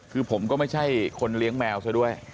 คือผมก็ไม่ใช่คนเลี้ยงแมวซะด้วย